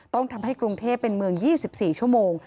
ต้องทำให้กรุงเทพเป็นเมือง๒๔ชั่วโมง